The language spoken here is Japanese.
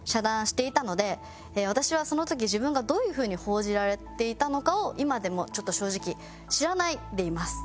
私はその時自分がどういう風に報じられていたのかを今でもちょっと正直知らないでいます。